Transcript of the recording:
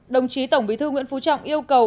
đồng chí tổng bí thư nguyễn phú trọng yêu cầu